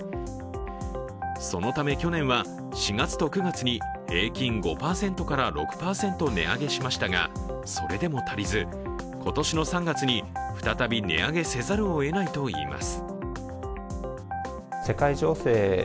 そのため去年は４月と９月に平均５％から９％値上げしましたがそれでも足りず、今年の３月に再び値上げせざるをえないといいます。